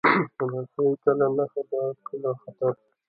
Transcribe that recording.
رسۍ کله نښه ده، کله خطر.